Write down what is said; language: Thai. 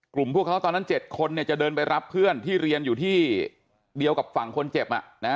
พวกเขาตอนนั้น๗คนจะเดินไปรับเพื่อนที่เรียนอยู่ที่เดียวกับฝั่งคนเจ็บ